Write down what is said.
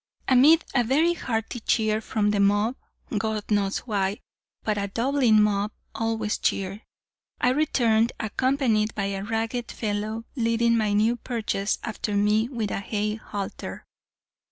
"Amid a very hearty cheer from the mob, God knows why, but a Dublin mob always cheer I returned accompanied by a ragged fellow, leading my new purchase after me with a hay halter.